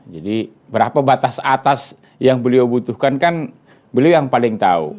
jadi berapa batas atas yang beliau butuhkan kan beliau yang paling tahu